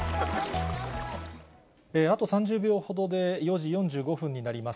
あと３０秒ほどで４時４５分になります。